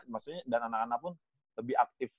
maksudnya dan anak anak pun lebih aktif